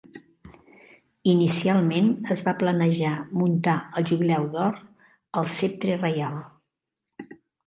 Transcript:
Inicialment es va planejar muntar el Jubileu d'Or al ceptre reial.